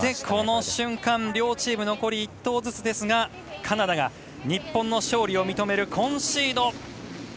この瞬間、両チーム残り１投ずつですがカナダが日本の勝利を認めるコンシード。